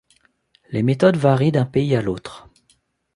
Les méthodes varient d'un pays à l'autre.